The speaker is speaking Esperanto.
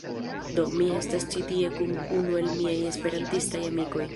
Do, mi estas ĉi tie kun unu el miaj esperantistaj amikoj